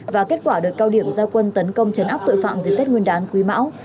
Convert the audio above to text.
và kết quả đợt cao điểm giao quân tấn công chấn áp tội phạm dịp tết nguyên đán quý mão